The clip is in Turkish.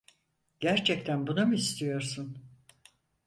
Gerçekten bunu mu istiyorsun?